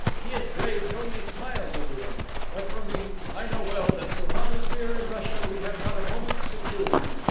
He is brave and only smiles over them, but for me, I know well that so long as we are in Russia we have not a moment's security.